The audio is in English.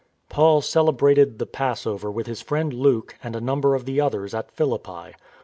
Paul celebrated the Passover with his friend Luke and a number of the others at Philippi.